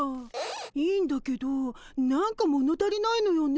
いいんだけど何か物足りないのよね。